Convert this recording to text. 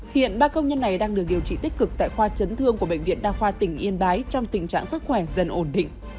hiện ba công nhân này đang được điều trị tích cực tại khoa chấn thương của bệnh viện đa khoa tỉnh yên bái trong tình trạng sức khỏe dần ổn định